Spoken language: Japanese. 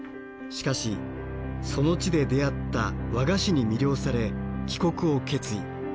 しかしその地で出会った和菓子に魅了され帰国を決意。